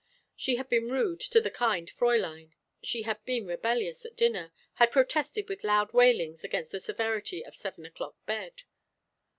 She had been rude to the kind Fräulein. She had been rebellious at dinner, had protested with loud wailings against the severity of seven o'clock bed.